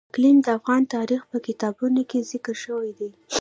اقلیم د افغان تاریخ په کتابونو کې ذکر شوی دي.